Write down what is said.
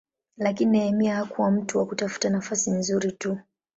Lakini Nehemia hakuwa mtu wa kutafuta nafasi nzuri tu.